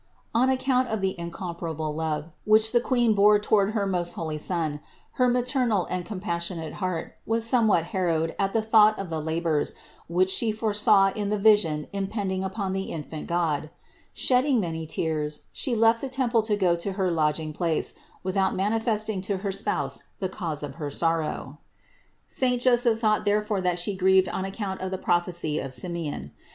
On account of the incomparable love, which the Queen bore toward her most holy Son, her maternal and compassionate heart was somewhat harrowed at the thought of the labors which She foresaw in the vision impending upon the infant God. Shedding many tears, She left the temple to go to her lodging place, without manifesting to her spouse the cause of her sorrow. Saint THE INCARNATION 521 Joseph therefore thought that She grieved on account of the prophecy of Simeon.